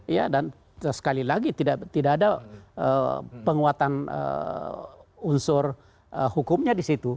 ya dan sekali lagi tidak ada penguatan unsur hukumnya di situ